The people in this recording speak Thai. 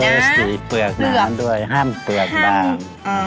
เบอร์สี่เปลือกหนาด้วยห้ามเปลือกบ้าง